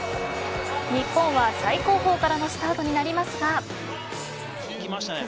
日本は最後方からのスタートになりますが。